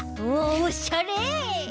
おっしゃれ！